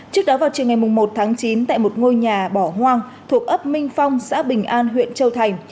trước đó vào chiều ngày một tháng chín tại một ngôi nhà bỏ hoang thuộc ấp minh phong xã bình an huyện châu thành